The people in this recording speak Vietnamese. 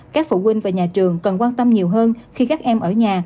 các phụ huynh và nhà trường cần quan tâm nhiều hơn khi các em ở nhà